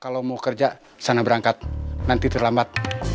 kalau mau kerja sana berangkat nanti terlambat